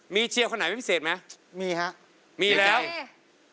มีเชียร์คนไหนไม่พิเศษไหมครับมีครับมีแล้วไม่ใช่